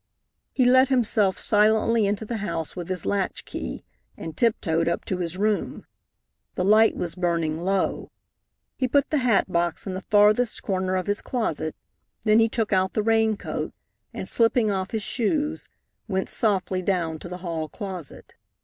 He let himself silently into the house with his latch key, and tiptoed up to his room. The light was burning low. He put the hat box in the farthest corner of his closet, then he took out the rain coat, and, slipping off his shoes, went softly down to the hall closet.